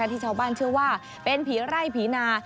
ที่ชาวบ้านเชื่อว่าเป็นผีไร่ผีนา